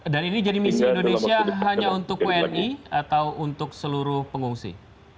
dan ini jadi misi indonesia hanya untuk wni atau untuk seluruh pengungsi